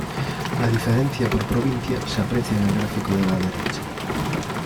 La diferencia por provincia se aprecia en el gráfico de la derecha.